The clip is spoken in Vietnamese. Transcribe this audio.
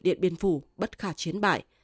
điện biên phủ bất khả chiến bại